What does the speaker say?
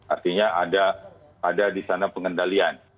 artinya ada di sana pengendalian